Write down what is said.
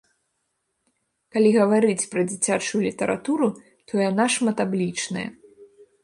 Калі гаварыць пра дзіцячую літаратуру, то яна шматаблічная.